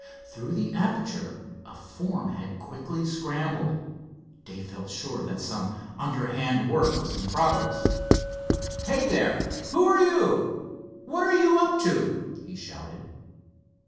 Through the aperture a form had quickly scrambled. Dave felt sure that some underhand work was in progress. "Hey, there; who are you? What are you up to?" he shouted.